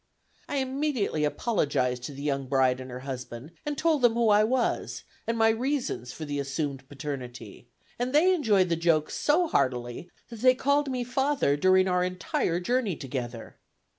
I immediately apologized to the young bride and her husband, and told them who I was, and my reasons for the assumed paternity, and they enjoyed the joke so heartily that they called me "father" during our entire journey together.